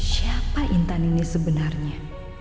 siapa intan ini sebenarnya